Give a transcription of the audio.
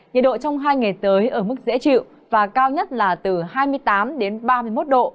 nhiệt độ trong hai ngày tới ở mức dễ chịu và cao nhất là từ hai mươi tám đến ba mươi một độ